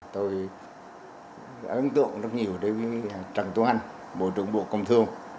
tôi ấn tượng rất nhiều đến trần tuấn anh bộ trưởng bộ công thương